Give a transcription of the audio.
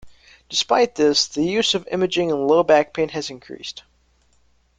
Despite this, the use of imaging in low back pain has increased.